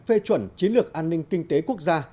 phê chuẩn chiến lược an ninh kinh tế quốc gia